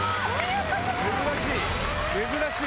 珍しい！